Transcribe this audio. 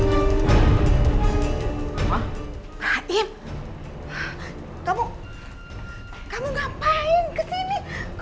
suara berisik itu lagi